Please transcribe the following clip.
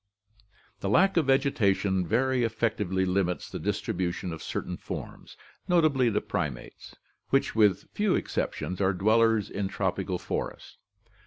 The lack of vegetation very effectively limits the distribution of certain forms, notably the primates, which with few exceptions are dwellers in tropical forests.